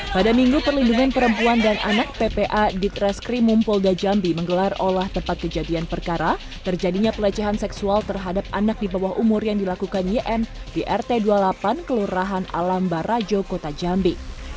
pada minggu perlindungan perempuan dan anak ppa ditreskrimum polda jambi menggelar olah tempat kejadian perkara terjadinya pelecehan seksual terhadap anak di bawah umur yang dilakukan yn di rt dua puluh delapan kelurahan alam barajo kota jambi